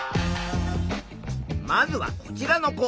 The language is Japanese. まずはこちらの子。